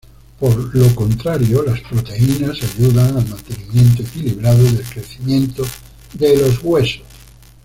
Por lo contrario las proteínas ayudan al mantenimiento equilibrado del crecimiento de los huesos.